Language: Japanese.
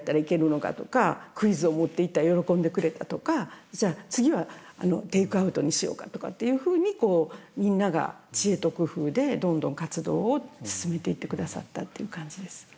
クイズを持っていったら喜んでくれたとかじゃあ次はテイクアウトにしようかとかっていうふうにみんなが知恵と工夫でどんどん活動を進めていってくださったという感じです。